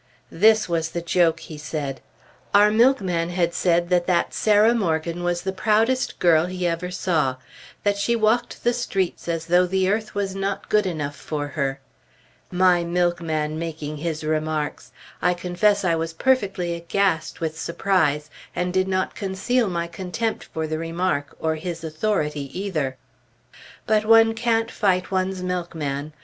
This was the joke, he said. Our milkman had said that that Sarah Morgan was the proudest girl he ever saw; that she walked the streets as though the earth was not good enough for her. My milkman making his remarks! I confess I was perfectly aghast with surprise, and did not conceal my contempt for the remark, or his authority either. But one can't fight one's milkman!